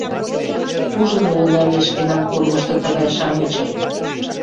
Ужын улына ме шкенан курымышто тыгай-шамычым!